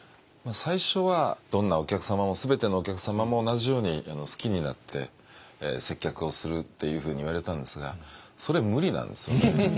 最初はどんなお客様も全てのお客様も同じように好きになって接客をするっていうふうに言われたんですがそれ無理なんですよね。